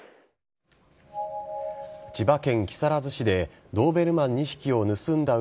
千葉県木更津市でドーベルマン２匹を盗んだ